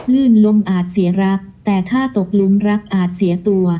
ลื่นลมอาจเสียรักแต่ถ้าตกหลุมรักอาจเสียตัว